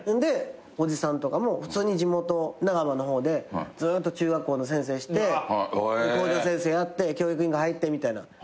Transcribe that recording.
おじさんとかも普通に地元長浜の方でずっと中学校の先生して校長先生やって教育委員会入ってみたいな。